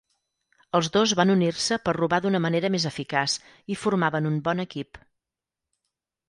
Els dos van unir-se per robar d'una manera més eficaç i formaven un bon equip.